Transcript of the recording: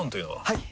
はい！